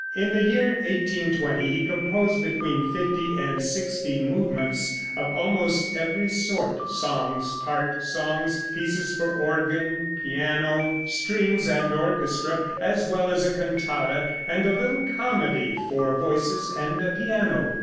In the year 1820 he composed between fifty and sixty movements, of almost every sort, songs, part songs, pieces for organ, piano, strings and orchestra, as well as a cantata, and a little comedy for voices and a piano.